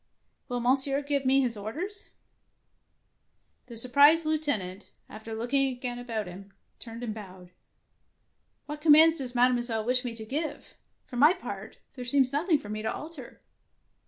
Will Monsieur give me his orders?" 125 DEEDS OF DAEING The surprised lieutenant, after look ing again about him, turned and bowed. " What commands does Mademoi selle wish me to give? For my part, there seems nothing for me to alter.